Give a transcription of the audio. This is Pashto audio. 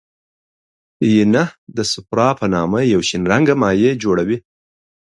ینه د صفرا په نامه یو شین رنګه مایع جوړوي.